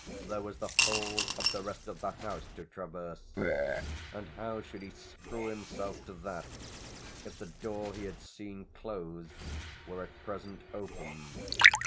There was the whole of the rest of the house to traverse, and how should he screw himself to that if the door he had seen closed were at present open?